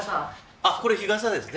あっこれ日傘ですね。